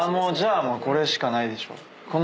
もうこれしかないでしょ。